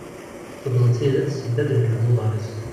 Tewweḍ-d tidet, yedda-d lekdeb d uḍar-is.